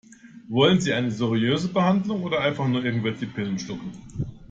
Wollen Sie eine seriöse Behandlung oder einfach nur irgendwelche Pillen schlucken?